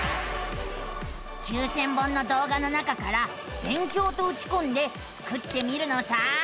９，０００本の動画の中から「勉強」とうちこんでスクってみるのさあ。